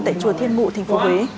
tại chùa thiên ngụ tp huế